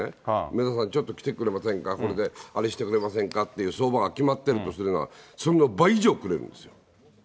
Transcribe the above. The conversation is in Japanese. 皆さん、ちょっと来てくれませんか、これであれしてくれませんかっていう相場は決まってるとするなら、その倍以上くれるんですよ。